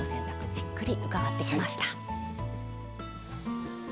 じっくり伺ってきました。